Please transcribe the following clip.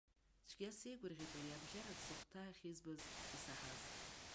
Цәгьа сеигәырӷьеит ариабжьарак сыхәҭаахь избаз, исаҳаз.